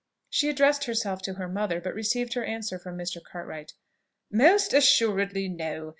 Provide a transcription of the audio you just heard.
She addressed herself to her mother, but received her answer from Mr. Cartwright. "Most assuredly no!